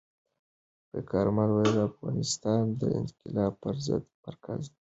کارمل ویلي، افغانستان د انقلاب پر ضد مرکز نه شي.